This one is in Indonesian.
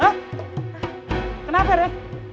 hah kenapa re